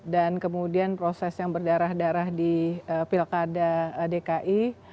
dan kemudian proses yang berdarah darah di pilkada dki